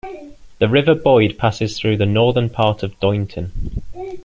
The River Boyd passes through the northern part of Doynton.